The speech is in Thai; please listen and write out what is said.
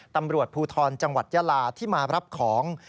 ตำรวจภูทรจังหวัดยาลาที่มารับของ